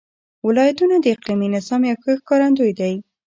ولایتونه د اقلیمي نظام یو ښه ښکارندوی دی.